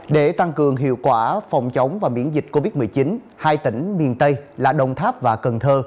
để tăng cường hiệu quả phòng chống và miễn dịch covid một mươi chín hai tỉnh miền tây là đồng tháp và cần thơ